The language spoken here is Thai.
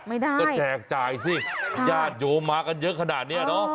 ไม่ได้ก็แจกจ่ายสิญาติโยมมากันเยอะขนาดเนี้ยเนอะ